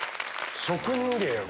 職人芸やん。